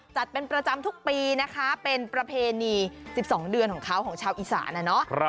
จัดเป็นประจำทุกปีนะคะเป็นประเพณี๑๒เดือนของเขาของชาวอีสานนะเนาะ